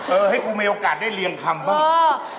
ให้กูมีโอกาสได้เรียงคำบ้าง